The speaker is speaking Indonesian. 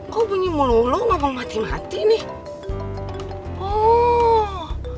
kok bunyi melulu ngomong mati mati nih